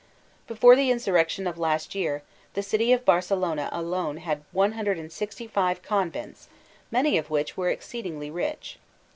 Before the insurrection of last year, the city of Barcelona alone had 165 convents, many of which were exceedingly rich.